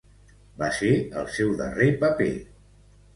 Va ser el seu darrer paper.